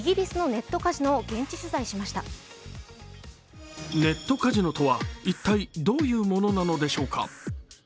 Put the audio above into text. ネットカジノとは一体どういうものなのでしょうか。